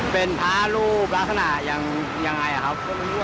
เป็นพระรูปลาธนาอย่างไรครับ